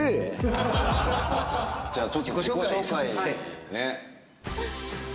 じゃあちょっと自己紹介ねっ。